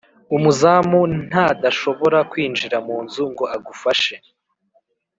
umuzamu ntadashobora kwinjira mu nzu ngo agufashe.